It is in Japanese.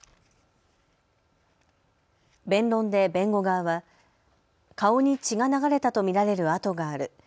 弁論で弁護側は顔に血が流れたと見られる痕がある。